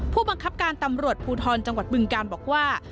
ผู้บังคับการตำรวจภูทรจังหวัดบึงการบอกว่า